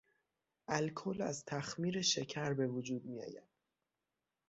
الکل از تخمیر شکر به وجود میآید.